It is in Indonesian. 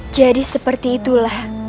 jadi seperti itulah